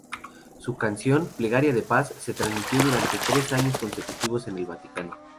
Su canción ""Plegaria de paz"" se trasmitió durante tres años consecutivos en el Vaticano.